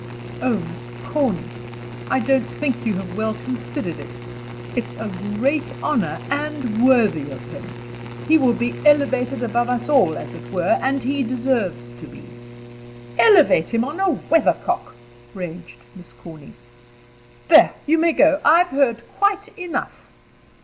"Oh, Miss Corny! I don't think you have well considered it. It's a great honor, and worthy of him. He will be elevated above us all, as it were, and he deserves to be." "Elevate him on a weathercock!" raged Miss Corny. "There, you may go. I've heard quite enough."